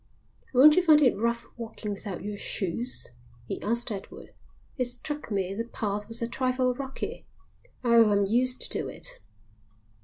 "Won't you find it rough walking without your shoes?" he asked Edward. "It struck me the path was a trifle rocky." "Oh, I'm used to it."